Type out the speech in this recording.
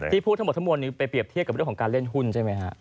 พูดทั้งหมดทั้งมวลนี้ไปเรียบเทียบกับเรื่องของการเล่นหุ้นใช่ไหมฮะ